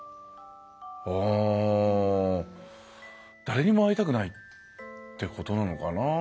誰にも会いたくないってことなのかな。